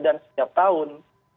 dan setiap tahun